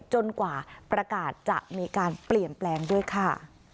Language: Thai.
จนกว่าประกาศจะมีการเปลี่ยนแปลงด้วยค่ะ